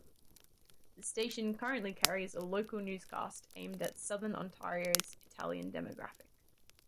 The station currently carries a local newscast aimed at Southern Ontario's Italian demographic.